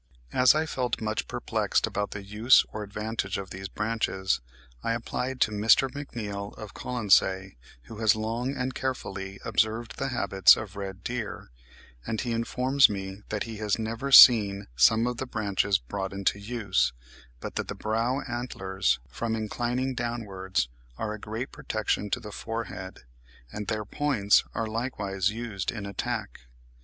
As I felt much perplexed about the use or advantage of the branches, I applied to Mr. McNeill of Colonsay, who has long and carefully observed the habits of red deer, and he informs me that he has never seen some of the branches brought into use, but that the brow antlers, from inclining downwards, are a great protection to the forehead, and their points are likewise used in attack.